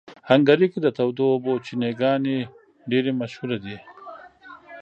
هنګري کې د تودو اوبو چینهګانې ډېرې مشهوره دي.